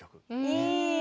いい。